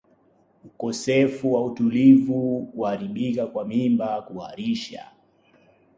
ukosefu wa utulivu kuharibika kwa mimba kuharisha